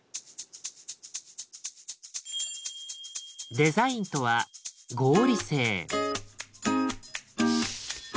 デザインとは「合理性」。